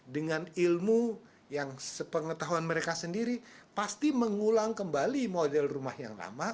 dengan ilmu yang sepengetahuan mereka sendiri pasti mengulang kembali model rumah yang lama